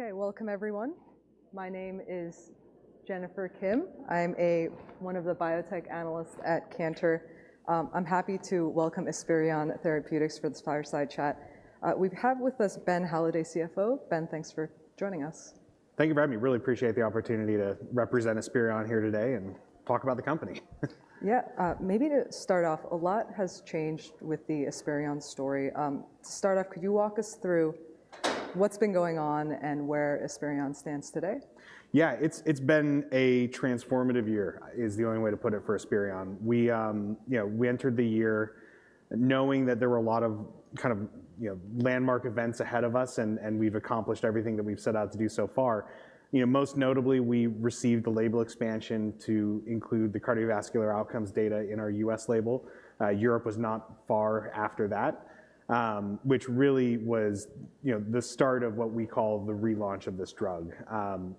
Okay, welcome everyone. My name is Jennifer Kim. I'm a, one of the biotech analysts at Cantor. I'm happy to welcome Esperion Therapeutics for this fireside chat. We have with us Ben Halladay, CFO. Ben, thanks for joining us. Thank you for having me. Really appreciate the opportunity to represent Esperion here today and talk about the company. Yeah, maybe to start off, a lot has changed with the Esperion story. To start off, could you walk us through what's been going on and where Esperion stands today? Yeah, it's been a transformative year, is the only way to put it for Esperion. We, you know, we entered the year knowing that there were a lot of kind of, you know, landmark events ahead of us, and we've accomplished everything that we've set out to do so far. You know, most notably, we received the label expansion to include the cardiovascular outcomes data in our U.S. label. Europe was not far after that, which really was, you know, the start of what we call the relaunch of this drug.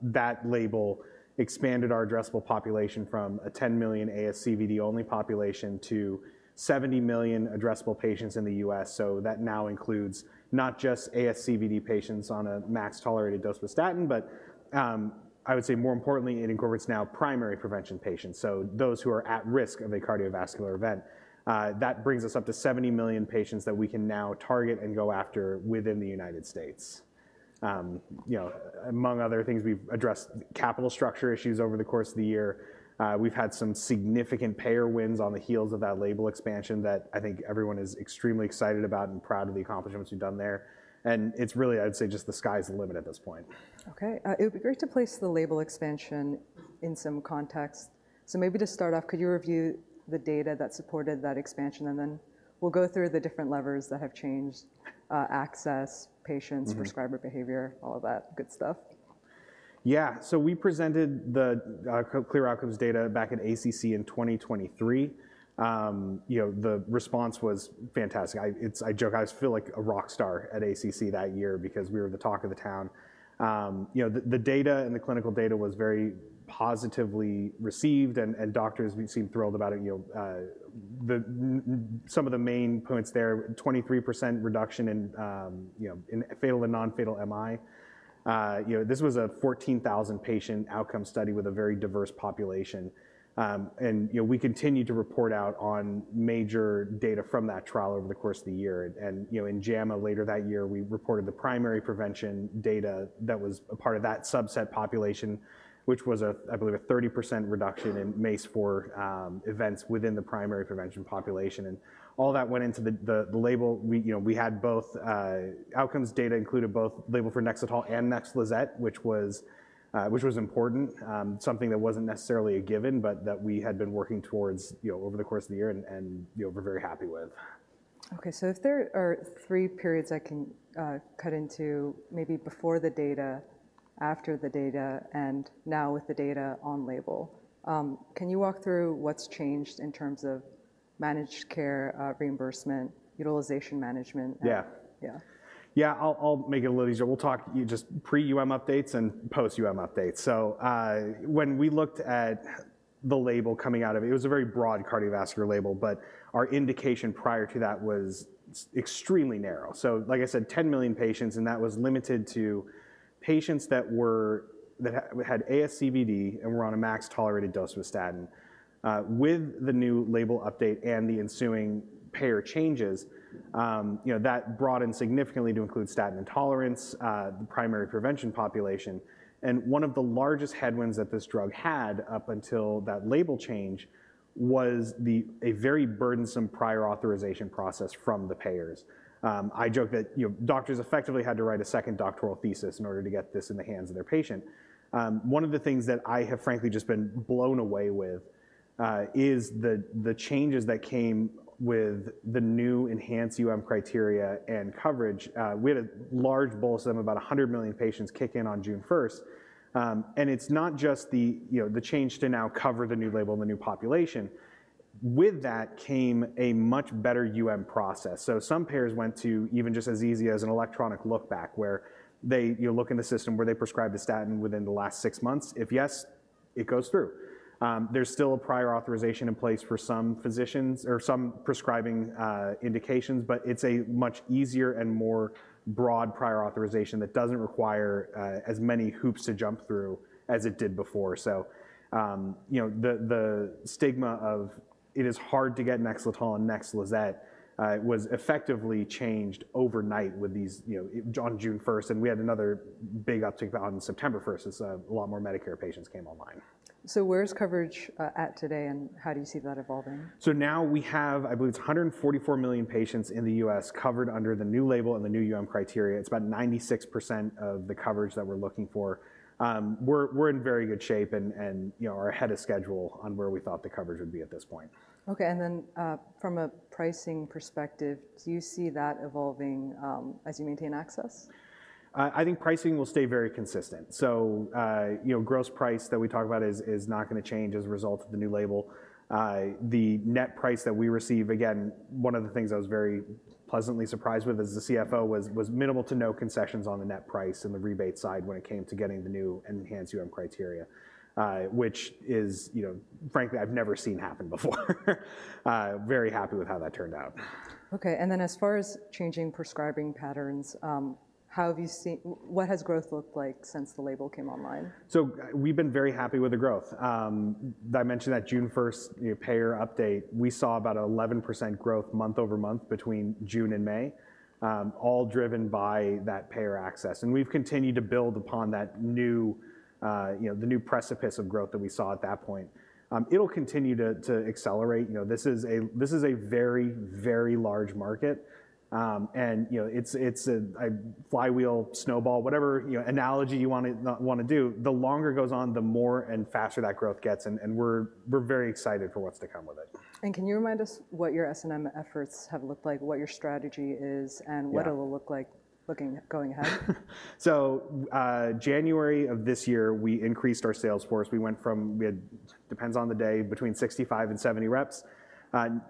That label expanded our addressable population from a 10 million ASCVD-only population to 70 million addressable patients in the U.S. So that now includes not just ASCVD patients on a max tolerated dose of statin, but, I would say more importantly, it incorporates now primary prevention patients, so those who are at risk of a cardiovascular event. That brings us up to 70 million patients that we can now target and go after within the United States. You know, among other things, we've addressed capital structure issues over the course of the year. We've had some significant payer wins on the heels of that label expansion that I think everyone is extremely excited about and proud of the accomplishments we've done there, and it's really I'd say just the sky's the limit at this point. Okay. It would be great to place the label expansion in some context. So maybe to start off, could you review the data that supported that expansion? And then we'll go through the different levers that have changed, access, patients- Mm-hmm. prescriber behavior, all of that good stuff. Yeah. So we presented the CLEAR Outcomes data back at ACC in 2023. You know, the response was fantastic. I joke, I feel like a rock star at ACC that year because we were the talk of the town. You know, the data and the clinical data was very positively received, and doctors seemed thrilled about it. You know, some of the main points there, 23% reduction in you know, in fatal and non-fatal MI. You know, this was a 14,000-patient outcome study with a very diverse population. And you know, we continued to report out on major data from that trial over the course of the year. You know, in JAMA, later that year, we reported the primary prevention data that was a part of that subset population, which was, I believe, a 30% reduction in MACE-4 events within the primary prevention population, and all that went into the label. You know, we had both outcomes data included in both labels for NEXLETOL and NEXLIZET, which was important, something that wasn't necessarily a given, but that we had been working towards, you know, over the course of the year and, you know, we're very happy with. Okay, so if there are three periods I can cut into maybe before the data, after the data, and now with the data on label, can you walk through what's changed in terms of managed care, reimbursement, utilization management, and- Yeah. Yeah. Yeah, I'll make it a little easier. We'll talk about just pre-UM updates and post-UM updates. So, when we looked at the label coming out of it, it was a very broad cardiovascular label, but our indication prior to that was extremely narrow. So like I said, 10 million patients, and that was limited to patients that had ASCVD and were on a max tolerated dose of a statin. With the new label update and the ensuing payer changes, you know, that broadened significantly to include statin intolerance, the primary prevention population. And one of the largest headwinds that this drug had up until that label change was a very burdensome prior authorization process from the payers. I joke that, you know, doctors effectively had to write a second doctoral thesis in order to get this in the hands of their patient. One of the things that I have frankly just been blown away with is the changes that came with the new enhanced UM criteria and coverage. We had a large bolus of about a hundred million patients kick in on June 1st. And it's not just the, you know, the change to now cover the new label and the new population. With that came a much better UM process. So some payers went to even just as easy as an electronic look back, where they, you know, look in the system where they prescribed a statin within the last six months. If yes, it goes through. There's still a prior authorization in place for some physicians or some prescribing indications, but it's a much easier and more broad prior authorization that doesn't require as many hoops to jump through as it did before, so you know, the stigma of it is hard to get NEXLETOL and NEXLIZET was effectively changed overnight with these, you know, on June 1st, and we had another big uptick on September 1st as a lot more Medicare patients came online. Where's coverage at today, and how do you see that evolving? So now we have, I believe, it's one hundred and forty-four million patients in the U.S. covered under the new label and the new UM criteria. It's about 96% of the coverage that we're looking for. We're in very good shape and, you know, are ahead of schedule on where we thought the coverage would be at this point. Okay, and then, from a pricing perspective, do you see that evolving, as you maintain access? I think pricing will stay very consistent. So, you know, gross price that we talk about is not gonna change as a result of the new label. The net price that we receive, again, one of the things I was very pleasantly surprised with as the CFO was minimal to no concessions on the net price and the rebate side when it came to getting the new enhanced UM criteria, which is, you know, frankly, I've never seen happen before. Very happy with how that turned out. Okay, and then as far as changing prescribing patterns, how have you seen what has growth looked like since the label came online? So we've been very happy with the growth. I mentioned that June 1st, you know, payer update, we saw about 11% growth month-over-month between June and May, all driven by that payer access, and we've continued to build upon that new, you know, the new precipice of growth that we saw at that point. It'll continue to accelerate. You know, this is a very, very large market, and, you know, it's a flywheel, snowball, whatever, you know, analogy you wanna do. The longer it goes on, the more and faster that growth gets, and we're very excited for what's to come with it. Can you remind us what your S&M efforts have looked like, what your strategy is- Yeah. and what it will look like going ahead? So, January of this year, we increased our sales force. We went from, we had, depends on the day, between 65 and 70 reps,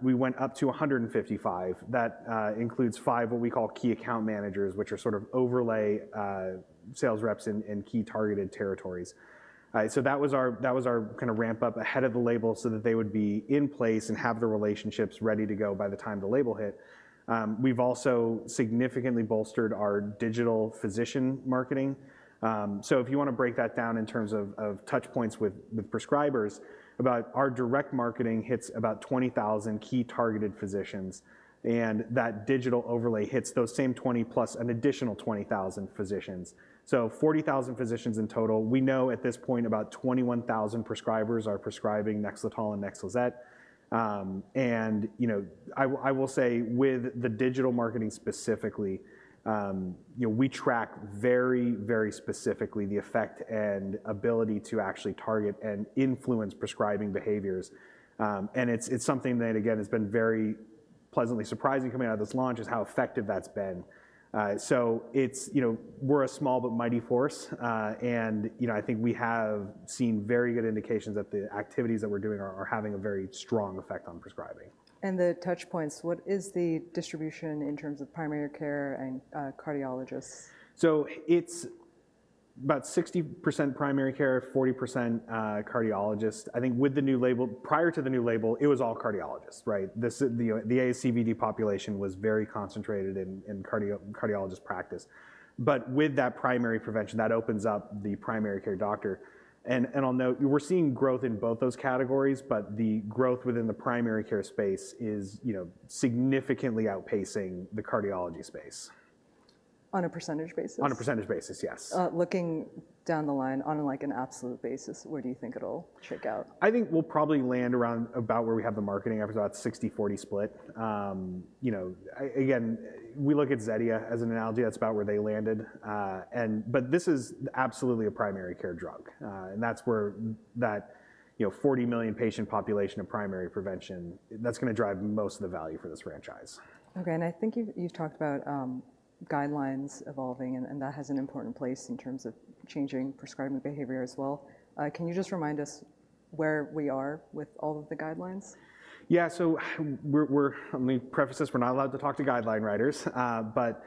we went up to 155. That includes 5, what we call key account managers, which are sort of overlay sales reps in key targeted territories. So that was our, that was our kinda ramp up ahead of the label so that they would be in place and have the relationships ready to go by the time the label hit. We've also significantly bolstered our digital physician marketing. So if you wanna break that down in terms of touch points with prescribers, about our direct marketing hits about 20,000 key-targeted physicians, and that digital overlay hits those same 20,000+ an additional 20,000 physicians, so 40,000 physicians in total. We know at this point about 21,000 prescribers are prescribing NEXLETOL and NEXLIZET. And, you know, I will say with the digital marketing specifically, you know, we track very, very specifically the effect and ability to actually target and influence prescribing behaviors. And it's something that, again, has been very pleasantly surprising coming out of this launch, is how effective that's been. So it's, you know, we're a small but mighty force, and, you know, I think we have seen very good indications that the activities that we're doing are having a very strong effect on prescribing. The touch points, what is the distribution in terms of primary care and cardiologists? It's about 60% primary care, 40% cardiologists. I think with the new label, prior to the new label, it was all cardiologists, right? The ASCVD population was very concentrated in cardiologist practice. But with that primary prevention, that opens up the primary care doctor, and I'll note, we're seeing growth in both those categories, but the growth within the primary care space is, you know, significantly outpacing the cardiology space. On a percentage basis? On a percentage basis, yes. Looking down the line on, like, an absolute basis, where do you think it'll shake out? I think we'll probably land around about where we have the marketing effort, about 60-40 split. You know, again, we look at Zetia as an analogy. That's about where they landed. And but this is absolutely a primary care drug, and that's where that, you know, 40 million patient population in primary prevention, that's gonna drive most of the value for this franchise. Okay, and I think you've talked about guidelines evolving, and that has an important place in terms of changing prescribing behavior as well. Can you just remind us where we are with all of the guidelines? Yeah. So we're... Let me preface this, we're not allowed to talk to guideline writers, but,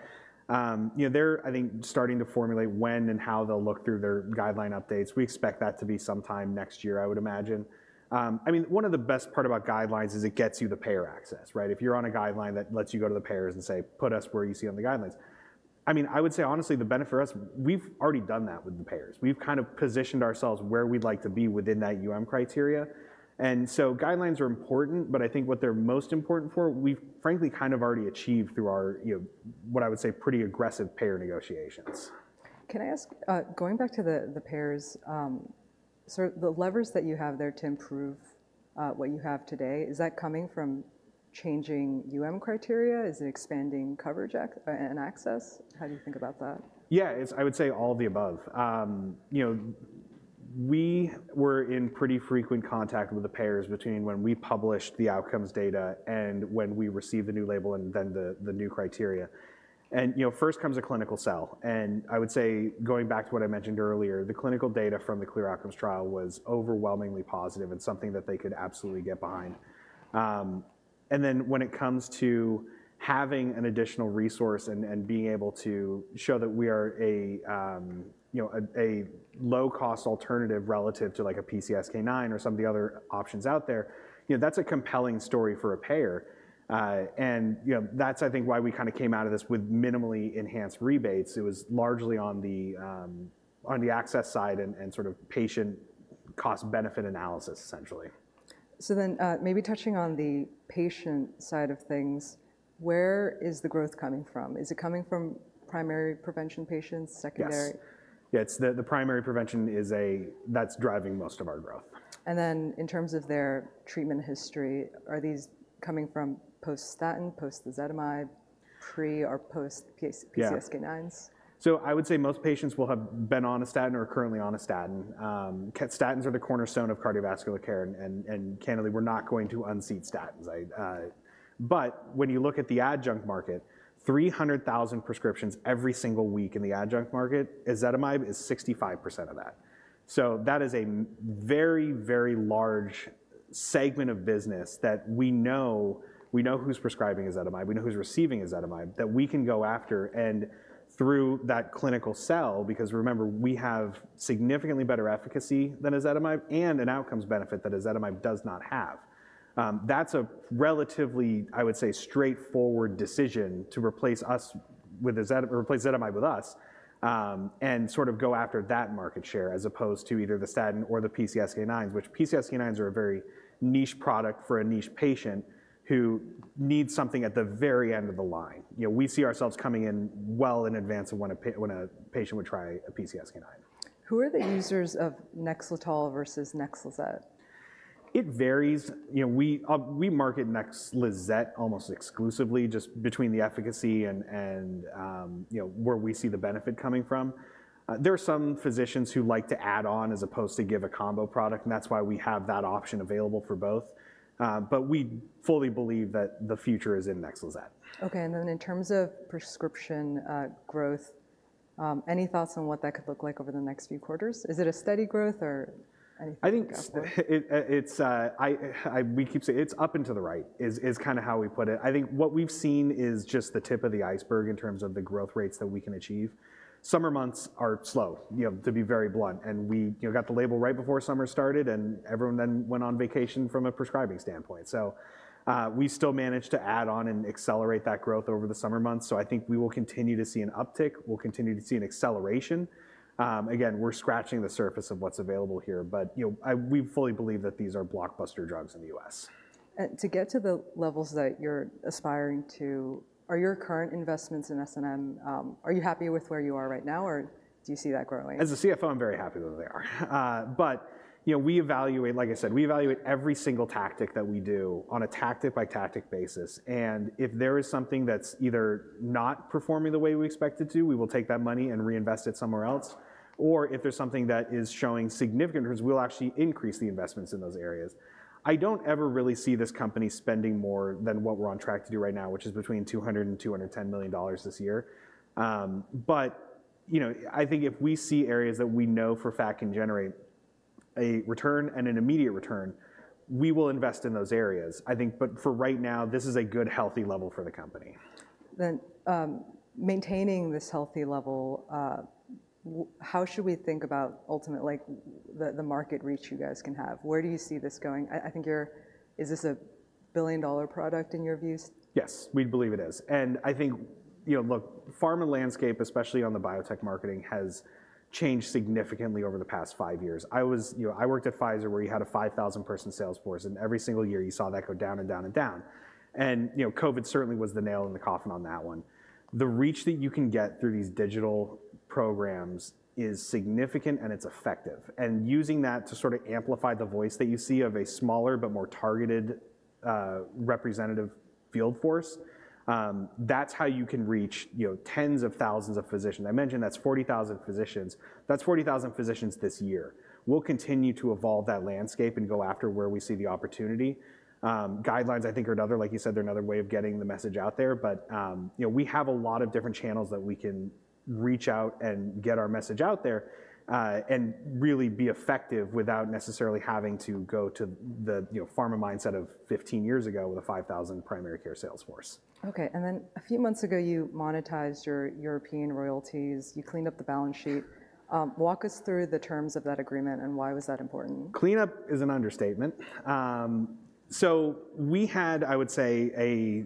you know, they're, I think, starting to formulate when and how they'll look through their guideline updates. We expect that to be sometime next year, I would imagine. I mean, one of the best part about guidelines is it gets you the payer access, right? If you're on a guideline, that lets you go to the payers and say, "Put us where you see on the guidelines." I mean, I would say honestly, the benefit for us, we've already done that with the payers. We've kind of positioned ourselves where we'd like to be within that UM criteria, and so guidelines are important, but I think what they're most important for, we've frankly kind of already achieved through our, you know, what I would say, pretty aggressive payer negotiations. Can I ask, going back to the payers, sort of the levers that you have there to improve what you have today, is that coming from changing UM criteria? Is it expanding coverage and access? How do you think about that? Yeah, it's, I would say all of the above. You know, we were in pretty frequent contact with the payers between when we published the outcomes data and when we received the new label and then the new criteria, and you know, first comes a clinical sell, and I would say, going back to what I mentioned earlier, the clinical data from the CLEAR Outcomes trial was overwhelmingly positive and something that they could absolutely get behind. And then when it comes to having an additional resource and being able to show that we are a, you know, a low-cost alternative relative to like a PCSK9 or some of the other options out there, you know, that's a compelling story for a payer. And you know, that's, I think why we kind of came out of this with minimally enhanced rebates. It was largely on the access side and sort of patient cost-benefit analysis, essentially. Maybe touching on the patient side of things, where is the growth coming from? Is it coming from primary prevention patients, secondary? Yes. Yeah, it's the primary prevention that's driving most of our growth. And then in terms of their treatment history, are these coming from post-statin, post-ezetimibe, pre- or post-PCSK9s? Yeah. So I would say most patients will have been on a statin or are currently on a statin. Statins are the cornerstone of cardiovascular care, and candidly, we're not going to unseat statins. But when you look at the adjunct market, 300,000 prescriptions every single week in the adjunct market, ezetimibe is 65% of that. So that is a very, very large segment of business that we know who's prescribing ezetimibe, we know who's receiving ezetimibe, that we can go after and through that clinical sell, because remember, we have significantly better efficacy than ezetimibe and an outcomes benefit that ezetimibe does not have. That's a relatively, I would say, straightforward decision to replace us with eze- or replace ezetimibe with us, and sort of go after that market share, as opposed to either the statin or the PCSK9s, which PCSK9s are a very niche product for a niche patient who needs something at the very end of the line. You know, we see ourselves coming in well in advance of when a patient would try a PCSK9. Who are the users of NEXLETOL versus NEXLIZET? It varies. You know, we market NEXLIZET almost exclusively, just between the efficacy and you know, where we see the benefit coming from. There are some physicians who like to add on as opposed to give a combo product, and that's why we have that option available for both, but we fully believe that the future is in NEXLIZET. Okay, and then in terms of prescription growth, any thoughts on what that could look like over the next few quarters? Is it a steady growth or anything like that? I think it's up and to the right, kinda how we put it. I think what we've seen is just the tip of the iceberg in terms of the growth rates that we can achieve. Summer months are slow, you know, to be very blunt, and we, you know, got the label right before summer started, and everyone then went on vacation from a prescribing standpoint. So, we still managed to add on and accelerate that growth over the summer months, so I think we will continue to see an uptick, we'll continue to see an acceleration. Again, we're scratching the surface of what's available here, but, you know, we fully believe that these are blockbuster drugs in the U.S. To get to the levels that you're aspiring to, are your current investments in S&M? Are you happy with where you are right now, or do you see that growing? As a CFO, I'm very happy where they are. But, you know, we evaluate every single tactic that we do on a tactic-by-tactic basis, and if there is something that's either not performing the way we expect it to, we will take that money and reinvest it somewhere else, or if there's something that is showing significant returns, we'll actually increase the investments in those areas. I don't ever really see this company spending more than what we're on track to do right now, which is between $200 million and $210 million this year. But, you know, I think if we see areas that we know for a fact can generate a return and an immediate return, we will invest in those areas, I think. But for right now, this is a good, healthy level for the company. Then, maintaining this healthy level, how should we think about ultimately, like, the market reach you guys can have? Where do you see this going? I think you're. Is this a billion-dollar product in your views? Yes, we believe it is. And I think, you know, look, pharma landscape, especially on the biotech marketing, has changed significantly over the past five years. I was... You know, I worked at Pfizer, where you had a 5,000-person sales force, and every single year, you saw that go down and down and down. And, you know, COVID certainly was the nail in the coffin on that one. The reach that you can get through these digital programs is significant, and it's effective, and using that to sort of amplify the voice that you see of a smaller but more targeted representative field force, that's how you can reach, you know, tens of thousands of physicians. I mentioned that's 40,000 physicians. That's 40,000 physicians this year. We'll continue to evolve that landscape and go after where we see the opportunity. Guidelines, I think, are another... Like you said, they're another way of getting the message out there, but, you know, we have a lot of different channels that we can reach out and get our message out there, and really be effective without necessarily having to go to the, you know, pharma mindset of 15 years ago with a 5,000 primary care sales force. Okay, and then a few months ago, you monetized your European royalties, you cleaned up the balance sheet. Walk us through the terms of that agreement, and why was that important? Cleanup is an understatement. So we had, I would say, a,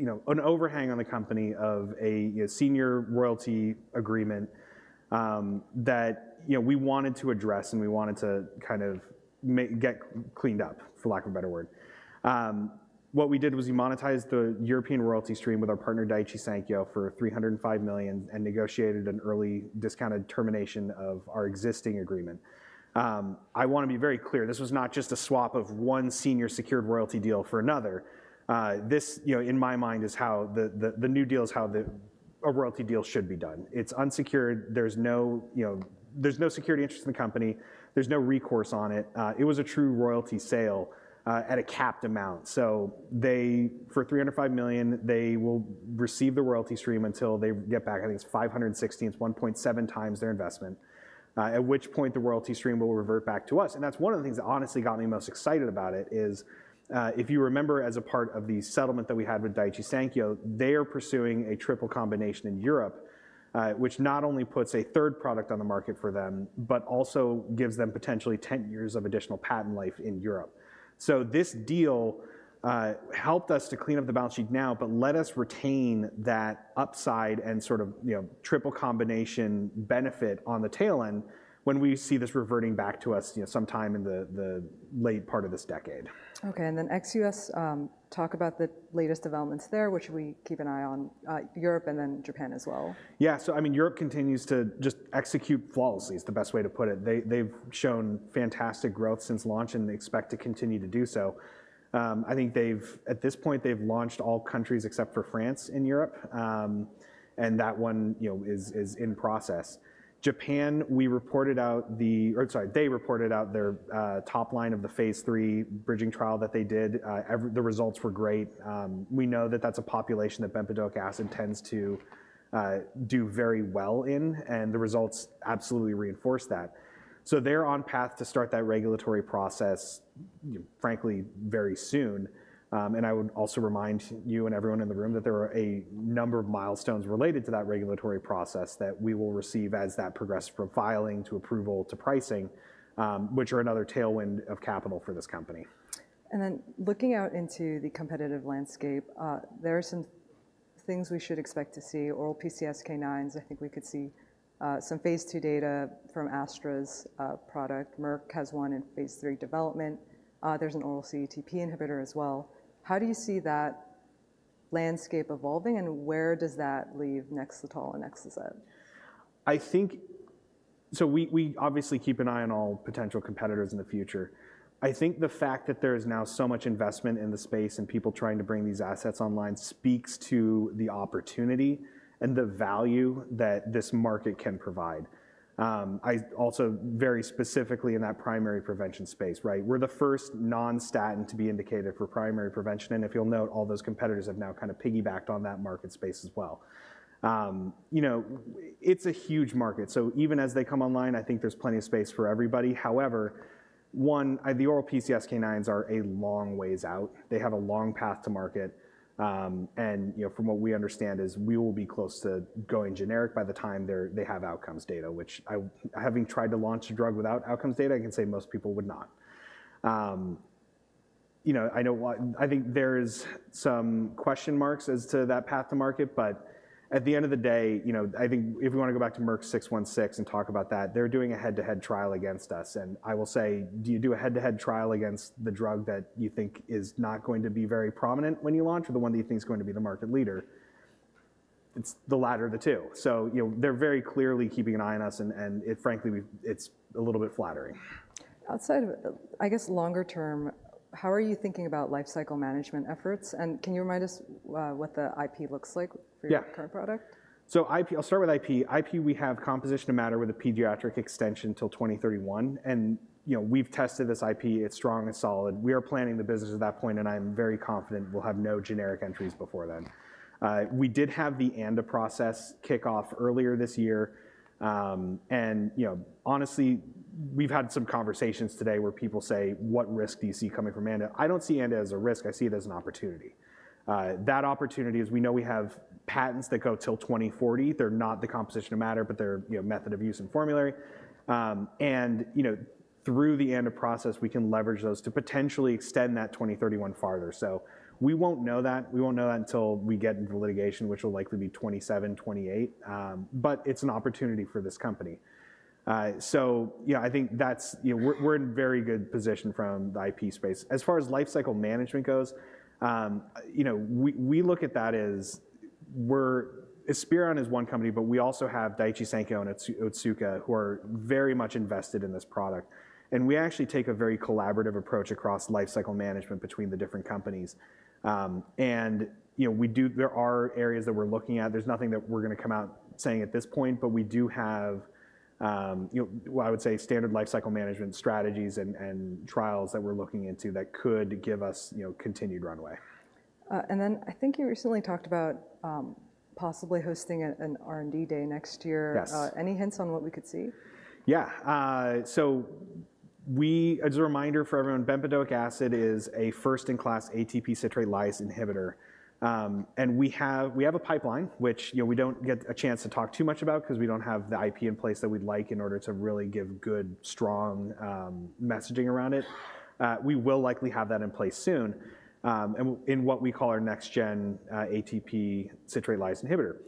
you know, an overhang on the company of a, you know, senior royalty agreement, that, you know, we wanted to address, and we wanted to kind of get cleaned up, for lack of a better word. What we did was we monetized the European royalty stream with our partner, Daiichi Sankyo, for $305 million and negotiated an early discounted termination of our existing agreement. I wanna be very clear, this was not just a swap of one senior secured royalty deal for another. This, you know, in my mind, is how the new deal is how a royalty deal should be done. It's unsecured, there's no, you know, there's no security interest in the company, there's no recourse on it. It was a true royalty sale at a capped amount. So they, for $305 million, they will receive the royalty stream until they get back, I think it's $560 million, it's 1.7 times their investment, at which point the royalty stream will revert back to us, and that's one of the things that honestly got me most excited about it is, if you remember, as a part of the settlement that we had with Daiichi Sankyo, they are pursuing a triple combination in Europe, which not only puts a third product on the market for them but also gives them potentially 10 years of additional patent life in Europe. So this deal helped us to clean up the balance sheet now, but let us retain that upside and sort of, you know, triple combination benefit on the tail end when we see this reverting back to us, you know, sometime in the late part of this decade. Okay, and then ex-U.S., talk about the latest developments there, which we keep an eye on, Europe and then Japan as well. Yeah. So I mean, Europe continues to just execute flawlessly, is the best way to put it. They've shown fantastic growth since launch, and they expect to continue to do so. I think they've... At this point, they've launched all countries except for France in Europe, and that one, you know, is in process. Japan, they reported out their top line of the phase III bridging trial that they did. The results were great. We know that that's a population that bempedoic acid tends to do very well in, and the results absolutely reinforce that. They're on path to start that regulatory process, frankly, very soon. And I would also remind you and everyone in the room that there are a number of milestones related to that regulatory process that we will receive as that progresses from filing to approval to pricing, which are another tailwind of capital for this company. And then looking out into the competitive landscape, there are some things we should expect to see. Oral PCSK9s, I think we could see, some phase II data from Astra's, product. Merck has one in phase III development. There's an oral CETP inhibitor as well. How do you see that landscape evolving, and where does that leave NEXLETOL and NEXLIZET? We obviously keep an eye on all potential competitors in the future. I think the fact that there is now so much investment in the space and people trying to bring these assets online speaks to the opportunity and the value that this market can provide. I also very specifically in that primary prevention space, right? We're the first non-statin to be indicated for primary prevention, and if you'll note, all those competitors have now kind of piggybacked on that market space as well. You know, it's a huge market, so even as they come online, I think there's plenty of space for everybody. However, the oral PCSK9s are a long ways out. They have a long path to market, and, you know, from what we understand is we will be close to going generic by the time they have outcomes data, which I, having tried to launch a drug without outcomes data, I can say most people would not. You know, I know what I think there's some question marks as to that path to market, but at the end of the day, you know, I think if we wanna go back to Merck 616 and talk about that, they're doing a head-to-head trial against us, and I will say, do you do a head-to-head trial against the drug that you think is not going to be very prominent when you launch, or the one that you think is going to be the market leader? It's the latter of the two. So, you know, they're very clearly keeping an eye on us, and it frankly, we've, it's a little bit flattering. Outside of, I guess, longer term, how are you thinking about lifecycle management efforts, and can you remind us, what the IP looks like? Yeah... for your current product? IP, I'll start with IP. IP, we have composition of matter with a pediatric extension till 2031, and, you know, we've tested this IP, it's strong and solid. We are planning the business at that point, and I am very confident we'll have no generic entries before then. We did have the ANDA process kick off earlier this year, and, you know, honestly, we've had some conversations today where people say, "What risk do you see coming from ANDA?" I don't see ANDA as a risk; I see it as an opportunity. That opportunity is we know we have patents that go till 2040. They're not the composition of matter, but they're, you know, method of use and formulation. And, you know, through the ANDA process, we can leverage those to potentially extend that 2031 farther. So we won't know that until we get into the litigation, which will likely be 2027, 2028. But it's an opportunity for this company. So yeah, I think that's, you know, we're in very good position from the IP space. As far as lifecycle management goes, you know, we look at that as Esperion is one company, but we also have Daiichi Sankyo and Otsuka, who are very much invested in this product. And we actually take a very collaborative approach across lifecycle management between the different companies. And, you know, we do. There are areas that we're looking at. There's nothing that we're gonna come out saying at this point, but we do have, you know, what I would say, standard lifecycle management strategies and trials that we're looking into that could give us, you know, continued runway. And then I think you recently talked about possibly hosting an R&D day next year. Yes. Any hints on what we could see? As a reminder for everyone, bempedoic acid is a first-in-class ATP citrate lyase inhibitor. And we have a pipeline which, you know, we don't get a chance to talk too much about 'cause we don't have the IP in place that we'd like in order to really give good, strong, messaging around it. We will likely have that in place soon, and in what we call our next-gen ATP citrate lyase inhibitor.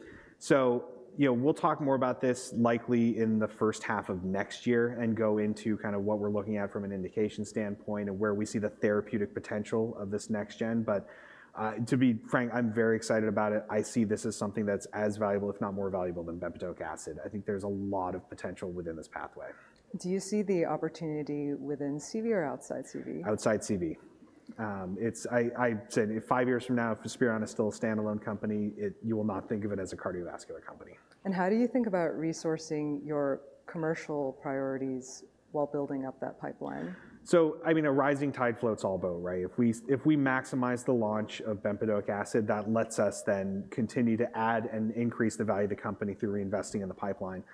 You know, we'll talk more about this likely in the first half of next year and go into kind of what we're looking at from an indication standpoint and where we see the therapeutic potential of this next gen. To be frank, I'm very excited about it. I see this as something that's as valuable, if not more valuable, than bempedoic acid. I think there's a lot of potential within this pathway. Do you see the opportunity within CV or outside CV? Outside CV. It's, I'd say five years from now, if Esperion is still a standalone company, it- you will not think of it as a cardiovascular company. How do you think about resourcing your commercial priorities while building up that pipeline? I mean, a rising tide floats all boats, right? If we maximize the launch of bempedoic acid, that lets us then continue to add and increase the value of the company through reinvesting in the pipeline.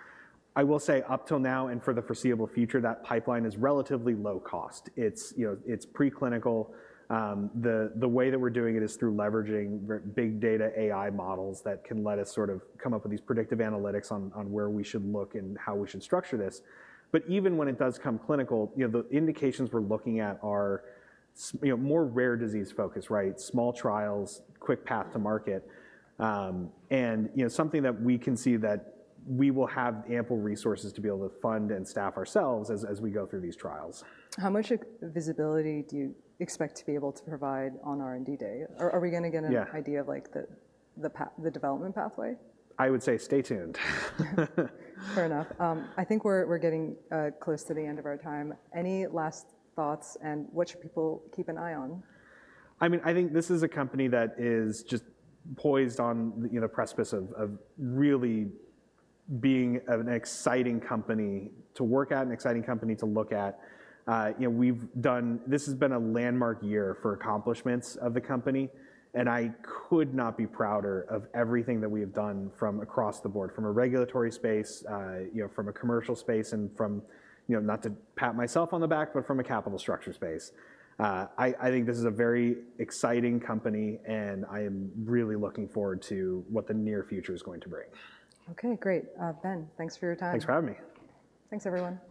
I will say, up till now, and for the foreseeable future, that pipeline is relatively low cost. It's, you know, it's preclinical. The way that we're doing it is through leveraging big data AI models that can let us sort of come up with these predictive analytics on where we should look and how we should structure this. But even when it does come clinical, you know, the indications we're looking at are, you know, more rare disease focused, right? Small trials, quick path to market. and, you know, something that we can see that we will have ample resources to be able to fund and staff ourselves as we go through these trials. How much visibility do you expect to be able to provide on R&D Day? Are we gonna get- Yeah... an idea of, like, the path, the development pathway? I would say stay tuned. Fair enough. I think we're getting close to the end of our time. Any last thoughts, and what should people keep an eye on? I mean, I think this is a company that is just poised on, you know, the precipice of really being an exciting company to work at, an exciting company to look at. You know, this has been a landmark year for accomplishments of the company, and I could not be prouder of everything that we have done from across the board, from a regulatory space, you know, from a commercial space and from, you know, not to pat myself on the back, but from a capital structure space. I think this is a very exciting company, and I am really looking forward to what the near future is going to bring. Okay, great. Ben, thanks for your time. Thanks for having me. Thanks, everyone.